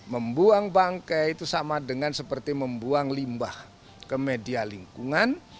membuang bangkai itu sama dengan seperti membuang limbah ke media lingkungan